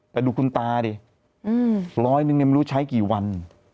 แต่ดูคุณตาดิร้อยนึงเนี่ยไม่รู้ใช้กี่วัน